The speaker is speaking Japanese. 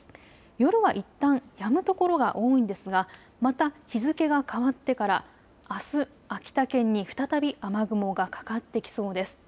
夜はいったんやむところが多いんですがまた日付が変わってから、あす秋田県に再び雨雲がかかってきそうです。